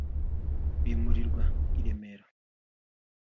bimurirwa i Remera